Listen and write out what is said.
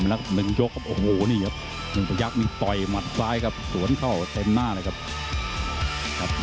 หนึ่งพยักษ์มันปล่อยมันซ้ายครับสวนเข้าเคริมหน้ากี้ครับ